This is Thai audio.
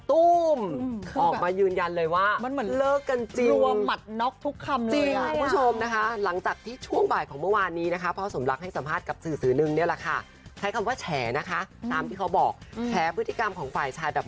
ตู้มออกมายืนยันเลยว่า